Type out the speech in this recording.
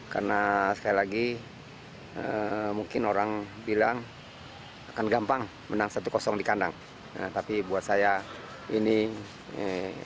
karena sekali lagi mungkin orang bilang akan gampang menang satu kosong dikandang nah tapi buat saya menurut saya ini adalah keharusan memanfaatkan pilihan pemain yang tersebut